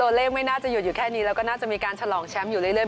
ไม่น่าจะหยุดอยู่แค่นี้แล้วก็น่าจะมีการฉลองแชมป์อยู่เรื่อย